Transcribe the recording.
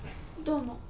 どうも。